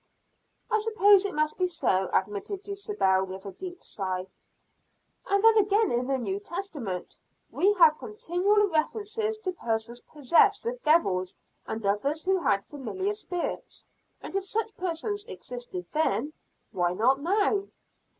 "I suppose it must be so," admitted Dulcibel, with a deep sigh. "And then again in the New Testament we have continual references to persons possessed with devils, and others who had familiar spirits, and if such persons existed then, why not now?"